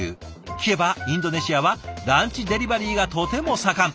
聞けばインドネシアはランチデリバリーがとても盛ん。